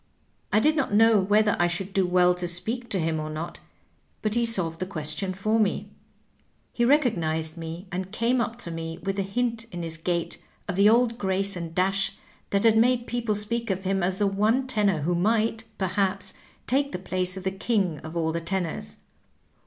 I did not know whether I should do well to speak to him or not, but he solved the question for me. Digitized by VjOOQIC 128 THE ACTION TO THE WORD. He recognized me, and came up to me with a hint in his gait of the old grace and dash that had made people fipeak of him as the one tenor who might, perhaps, take the place of the King of all the Tenors.